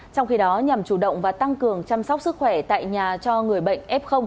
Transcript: trong khi đó nhằm chủ động và tăng cường chăm sóc sức khỏe tại nhà cho người bệnh f